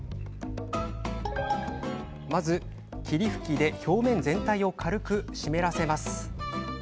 まず、霧吹きで表面全体を軽く湿らせます。